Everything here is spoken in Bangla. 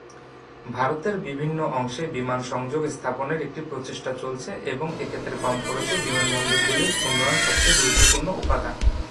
ভারতের বিভিন্ন অংশে বিমান সংযোগ স্থাপনের একটি প্রচেষ্টা চলছে এবং এক্ষেত্রে কম খরচে বিমানবন্দরগুলির উন্নয়ন সবচেয়ে গুরুত্বপূর্ণ উপাদান।